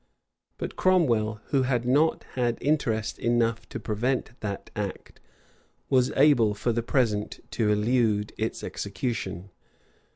But Cromwell, who had not had interest enough to prevent that act, was able for the present to elude its execution.